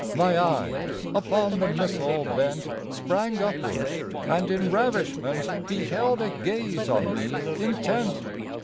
My eyes upon the missal bent Sprang upward, and in ravishment Beheld a gaze on me intent.